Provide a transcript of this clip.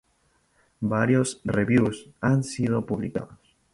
Varios "reviews" han sido publicados.